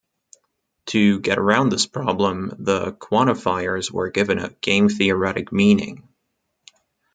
To get around this problem, the quantifiers were given a game-theoretic meaning.